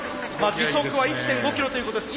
時速は１．５キロということです。